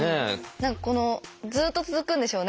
何かこのずっと続くんでしょうね